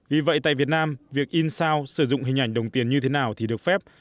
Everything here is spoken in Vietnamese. vì vậy tại việt nam việc in sao sử dụng hình ảnh đồng tiền như thế nào thì được phép